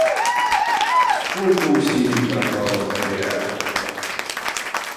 Сколько усилий пропало зря.